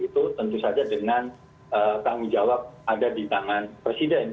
itu tentu saja dengan tanggung jawab ada di tangan presiden